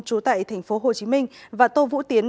trú tại tp hcm và tô vũ tiến